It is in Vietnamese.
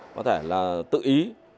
có thể là tự ý